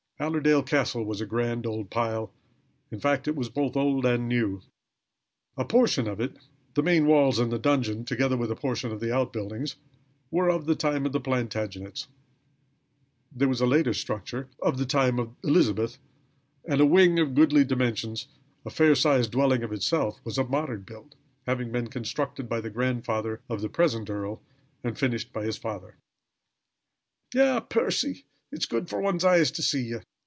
Allerdale Castle was a grand old pile. In fact it was both old and new. A portion of it, the main walls and the donjon, together with a portion of the outbuildings, were of the time of the Plantagenets; there was a later structure of the time of Elizabeth, and a wing of goodly dimensions a fair sized dwelling of itself was of modern build, having been constructed by the grandfather of the present earl and finished by his father. "Ah, Percy! It's good for one's eyes to see ye!